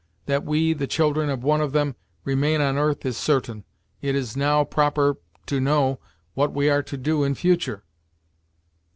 That we, the children of one of them, remain on earth is certain; it is now proper to know what we are to do in future."